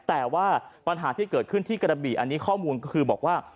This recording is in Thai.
แต่ว่าปัญหาที่เกิดขึ้นที่กระบี่อันนี้ข้อมูลก็คือบอกว่า